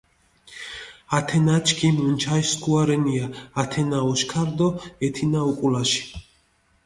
ათენა ჩქიმი უჩაში სქუა რენია, ათენა ოშქარი დო ეთინა უკულაში.